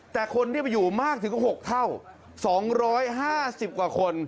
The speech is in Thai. แต่คนที่ไปอยู่มากถึง๖เท่า๒๕๐กว่าคน